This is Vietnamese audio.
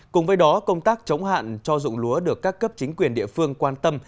cùng với đó công tác chống hạn cho dụng lúa được các cấp chính quyền địa phương quan tâm